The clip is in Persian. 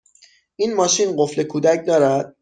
این ماشین قفل کودک دارد؟